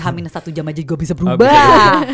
h satu jam aja gue bisa berubah